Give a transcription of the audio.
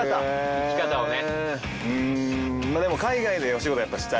生き方をね。